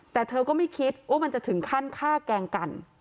แต่เธอก็ไม่คิดว่ามันจะถึงขั้นฆ่าแกล้งกัน